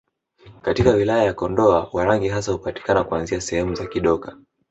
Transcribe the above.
Katika wilaya ya Kondoa Warangi hasa hupatikana kuanzia sehemu za Kidoka